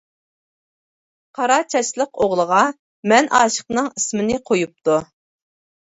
قارا چاچلىق ئوغلىغا، مەن ئاشىقنىڭ ئىسمىنى قويۇپتۇ.